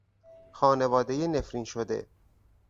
خانوادهی نفرین شده